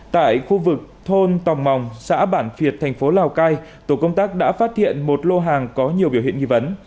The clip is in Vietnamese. tại khu vực thôn tòng mòng xã bản việt thành phố lào cai tổ công tác đã phát hiện một lô hàng có nhiều biểu hiện nghi vấn